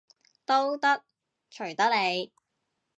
都得，隨得你